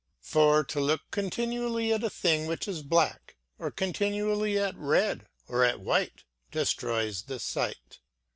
For, to look continually at a thing which is black, or continually at red or at white, destroys the sight.